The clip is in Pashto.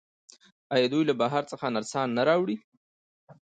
آیا دوی له بهر څخه نرسان نه راوړي؟